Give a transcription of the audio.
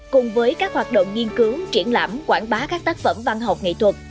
cùng với các hoạt động nghiên cứu triển lãm quảng bá các tác phẩm văn học nghệ thuật